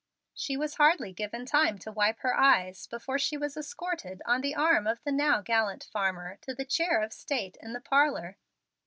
She was hardly given time to wipe her eyes before she was escorted on the arm of the now gallant farmer, to the chair of state in the parlor.